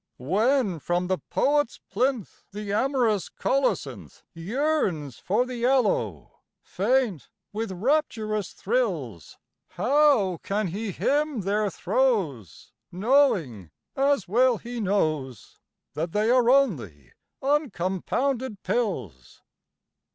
When from the poet's plinth The amorous colocynth Yearns for the aloe, faint with rapturous thrills, How can he hymn their throes Knowing, as well he knows, That they are only uncompounded pills?